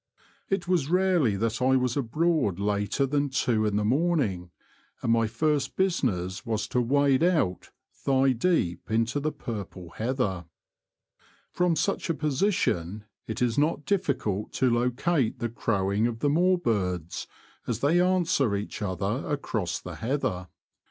It was rarely that I was abroad later than two in the morning, and my first business was to wade out thigh deep into the purple heather. From such a position The Confessions of a T^oacher. 1 1 5 it is not difficult to locate the crowing of the moorbirds as they answer each other across the heather.